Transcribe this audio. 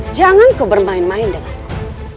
jangan kau bermain main dengan aku